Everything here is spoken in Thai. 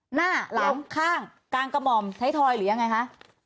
หน้าหลังข้างกลางกระหม่อมไทยทอยหรือยังไงคะ